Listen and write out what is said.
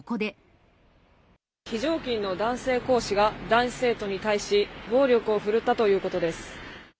非常勤の男性講師が、男子生徒に対し、暴力を振るったということです。